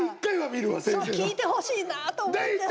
聞いてほしいなと思って。